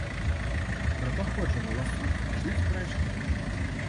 Пра паходжанне ласунку ідуць спрэчкі.